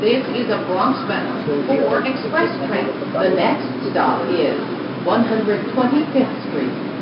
Saudi আরব থেকে সম্ভবত কালো তিতির বিলুপ্ত হয়ে গেছে।